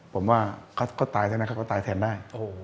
ผมว่าเขาตายแทนนะเขาก็ตายแทนได้